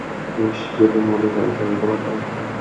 ইশ,, যদি মোদির সাথে ছবি তুলতে পারতাম।